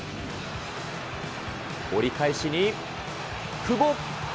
折り返しに久保。